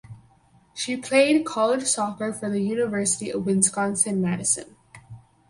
She played college soccer for the University of Wisconsin–Madison.